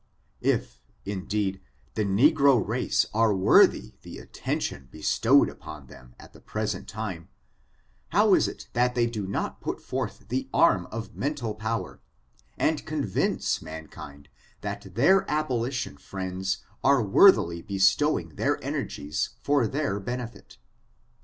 If, indeed, the negro race are worthy the attention bestowed upon them at the present time, how is it that they do not put forth the arm of mental power, and convince mankind that their abolition friends are worthily bestowing their energies for their benefit?